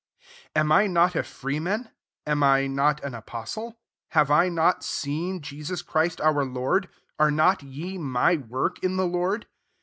1 Am I not a fra man ? am I hot an apostil have I not seen Jesus Chil our Lord ? are not ye my wd in the Lord